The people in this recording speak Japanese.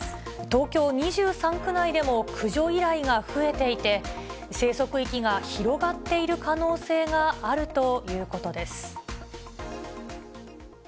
東京２３区内でも駆除依頼が増えていて、生息域が広がっている可能性があるということです。